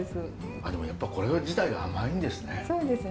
あっでもやっぱこれ自体が甘いんですね。